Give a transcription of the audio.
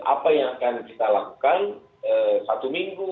apa yang akan kita lakukan satu minggu